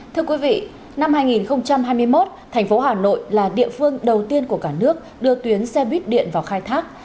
thưa quý vị năm hai nghìn hai mươi một thành phố hà nội là địa phương đầu tiên của cả nước đưa tuyến xe buýt điện vào khai thác